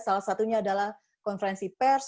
salah satunya adalah konferensi pers